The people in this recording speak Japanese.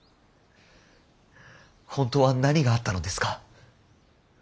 本当は何があったのですか。